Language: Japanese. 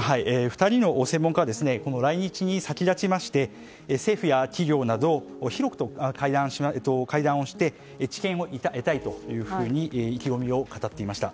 ２人の専門家は来日に先立ちまして政府や企業などと会談をして知見を得たいというふうに意気込みを語っていました。